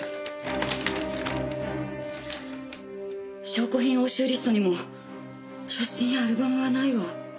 証拠品押収リストにも写真やアルバムはないわ。